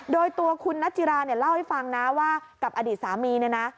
โดยตัวคุณนัจจิราเนี่ยเล่าให้ฟังนะว่ากับอดีตสามีเนี่ยนะ